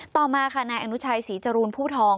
ต่อมาค่ะนายอนุชัยศรีจรูนผู้ทอง